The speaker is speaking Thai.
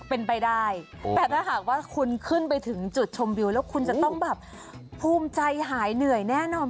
เป็นไปได้แต่ถ้าหากว่าคุณขึ้นไปถึงจุดชมวิวแล้วคุณจะต้องแบบภูมิใจหายเหนื่อยแน่นอน